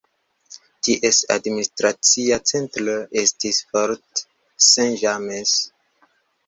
Ties administracia centro estis Fort St. James.